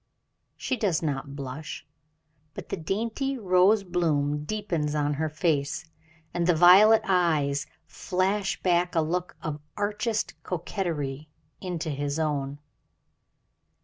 She does not blush, but the dainty rose bloom deepens on her face, and the violet eyes flash back a look of archest coquetry into his own.